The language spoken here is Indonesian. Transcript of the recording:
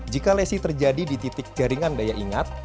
jika lesi terjadi di titik jaringan daya ingat